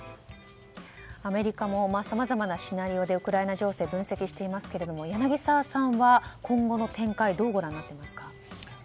アメリカもさまざまなシナリオでウクライナ情勢を分析していますけれども柳澤さんは今後の展開をどうご覧になっていますか？